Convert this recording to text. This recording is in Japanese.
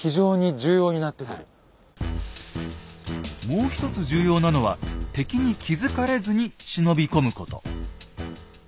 もう一つ重要なのは敵に気付かれずに忍び込むこと。